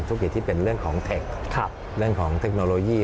ที่เป็นเรื่องของเทคเรื่องของเทคโนโลยี